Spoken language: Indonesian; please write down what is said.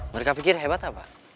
mereka pikir hebat apa